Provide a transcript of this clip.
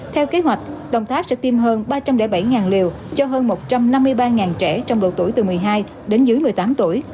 theo kế hoạch đồng tháp sẽ tiêm hơn ba trăm linh bảy liều cho hơn một trăm năm mươi ba trẻ trong độ tuổi từ một mươi hai đến dưới một mươi tám tuổi